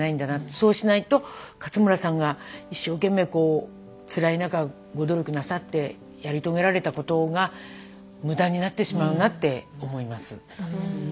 そうしないと勝村さんが一生懸命こうつらい中ご努力なさってやり遂げられたことが無駄になってしまうなって思います。